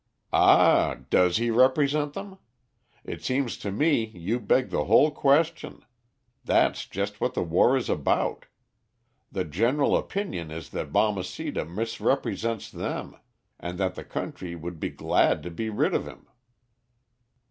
"Ah, does he represent them? It seems to me you beg the whole question; that's just what the war is about. The general opinion is that Balmeceda misrepresents them, and that the country would be glad to be rid of him."